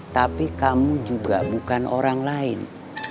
tapi kamu juga bukan orang lain